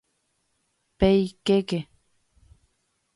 ¡Peikéke!